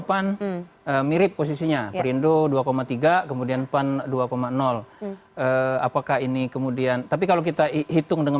pan mirip posisinya perindo dua tiga kemudian pan dua apakah ini kemudian tapi kalau kita hitung dengan